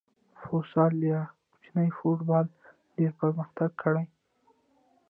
فوسال یا کوچنی فوټبال ډېر پرمختګ کړی.